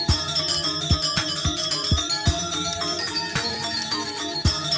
makanya seharusnya agak menanjakan